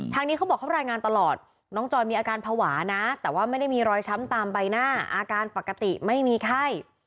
นี้เขาบอกเขารายงานตลอดน้องจอยมีอาการภาวะนะแต่ว่าไม่ได้มีรอยช้ำตามใบหน้าอาการปกติไม่มีไข้